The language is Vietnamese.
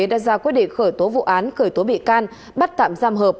đã ra quyết định khởi tố vụ án khởi tố bị can bắt tạm giam hợp